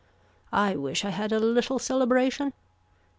I wish I had a little celebration.